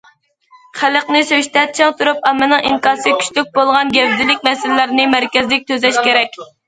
خەلقنى سۆيۈشتە چىڭ تۇرۇپ، ئاممىنىڭ ئىنكاسى كۈچلۈك بولغان گەۋدىلىك مەسىلىلەرنى مەركەزلىك تۈزەش كېرەك.